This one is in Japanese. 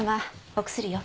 お薬よ。